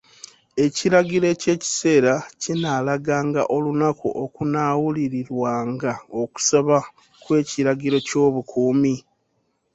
Ekiragiro eky'ekiseera kinaalaganga olunaku okunaawulirirwanga okusaba kw'ekiragiro ky'obukuumi.